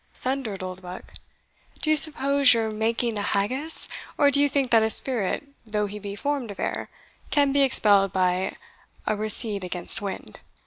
thundered Oldbuck; "d'ye suppose you're making a haggis or do you think that a spirit, though he be formed of air, can be expelled by a receipt against wind?